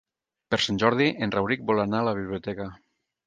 Per Sant Jordi en Rauric vol anar a la biblioteca.